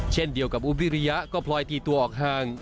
เช่นเดียวกับอุ๊บวิริยะก็พลอยตีตัวออกห่าง